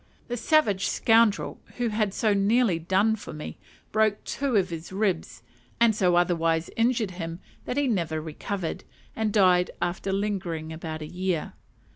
The savage scoundrel, who had so nearly done for me, broke two of his ribs, and so otherwise injured him that he never recovered, and died after lingering about a year.